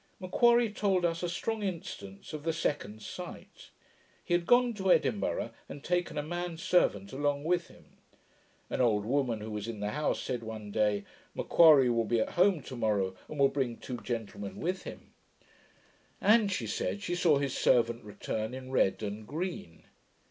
M'Quarrie told us a strong instance of the second sight. He had gone to Edinburgh, and taken a man servant along with him. An old woman, who was in the house, said one day, 'M'Quarrie will be at home to morrow, and will bring two gentlemen with him'; and she said, she saw his servant return in red and green.